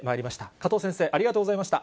加藤先生、ありがとうございました。